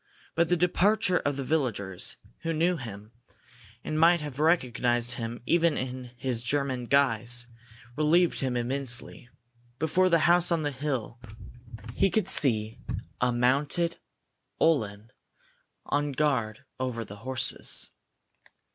But the departure of the villagers, who knew him, and might have recognized him even in his German guise, relieved him immensely. Before the house on the hill he could see a mounted Uhlan on guard over the horses.